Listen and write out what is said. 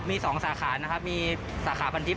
มี๒สาขานะครับมีสาขาพันทิพ